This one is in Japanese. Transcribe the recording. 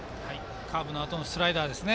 カーブのあとのスライダーですね。